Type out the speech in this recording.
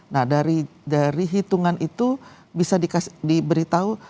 nah dari hitungan itu bisa diberitahu